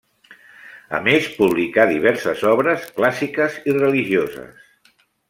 A més publicà diverses obres clàssiques i religioses.